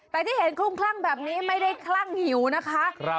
แต่ที่เห็นคลุ้มคลั่งแบบนี้ไม่ได้คลั่งหิวนะคะ